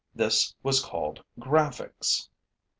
This was called graphics.